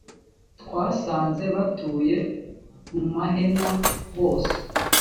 twasanze batuye mumahema bose.